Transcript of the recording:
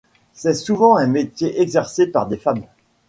C'est souvent un métier exercé par des femmes.